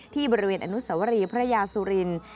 ที่บริเวณอนุสวรีพระยาสุรินทร์